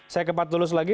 saya ke pak tulus lagi